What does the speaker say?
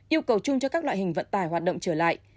yêu cầu chung cho các loại hình vận tải hoạt động trở lại